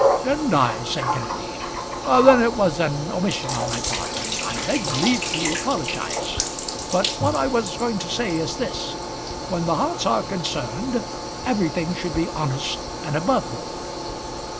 "Didn't I?" said Kenneby. "Then it was an omission on my part, and I beg leave to apologise. But what I was going to say is this: when the hearts are concerned, everything should be honest and above board."